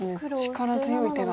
力強い手が。